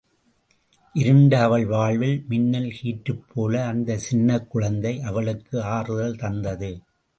இருண்ட அவள் வாழ்வில் மின்னல் கீற்றுப்போல அந்தச் சின்னகுழந்தை அவளுக்கு ஆறுதல் தந்தது.